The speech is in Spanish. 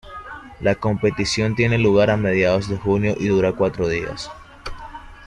La competición tiene lugar a mediados de junio y dura cuatro días.